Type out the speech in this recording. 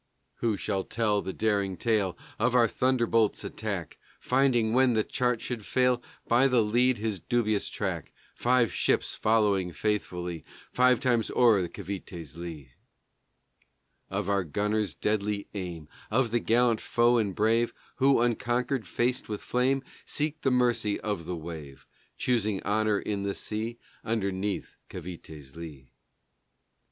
Who shall tell the daring tale Of our Thunderbolt's attack, Finding, when the chart should fail, By the lead his dubious track, Five ships following faithfully Five times o'er Cavité's lee; Of our gunners' deadly aim; Of the gallant foe and brave Who, unconquered, faced with flame, Seek the mercy of the wave, Choosing honor in the sea Underneath Cavité's lee?